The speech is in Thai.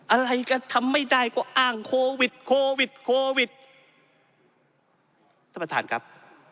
อะไรก็ทำไม่ได้ก็อ้างโควิดโควิดโควิดท่านประธานครับ